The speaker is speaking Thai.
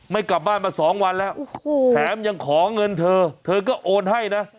ไม่กลับบ้านมาสองวันแล้วแถมยังขอเงินเธอเธอก็โอนให้นะ